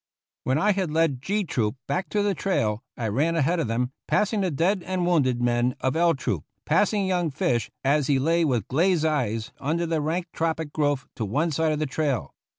When I had led G Troop back to the trail I ran ahead of them, passing the dead and wounded men of L Troop, passing young Fish as he lay with glazed eyes under the rank tropic growth to one side of the trail.